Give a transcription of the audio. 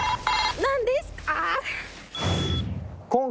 何ですか？